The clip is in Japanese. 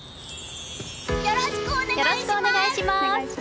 よろしくお願いします！